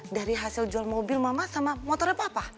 dari hasil jual mobil mama sama motornya papa